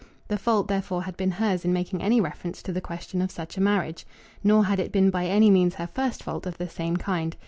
The fault, therefore, had been hers in making any reference to the question of such a marriage. Nor had it been by any means her first fault of the same kind.